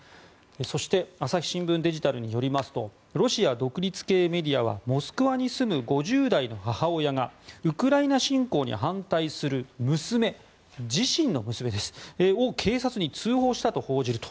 そして朝日新聞デジタルによりますとロシア独立系メディアはモスクワに住む５０代の母親がウクライナ侵攻に反対する娘自身の娘を警察に通報したと報じると。